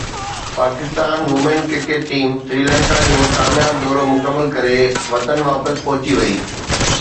Pakistan women cricket team Sri Lanka جو ڪامياب دورو مڪمل ڪري وطن واپس پهچي وئي